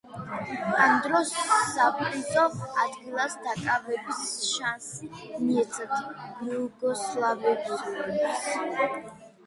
ამ დროს საპრიზო ადგილის დაკავების შანსი მიეცათ იუგოსლავიელებს.